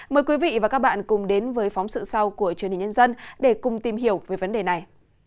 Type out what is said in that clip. mời quý vị và các bạn cùng đến với phóng sự sau của truyền hình nhân dân để cùng tìm hiểu về vấn đề này